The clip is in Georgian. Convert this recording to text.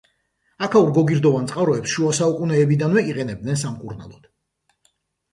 აქაურ გოგირდოვან წყაროებს შუა საუკუნეებიდანვე იყენებდნენ სამკურნალოდ.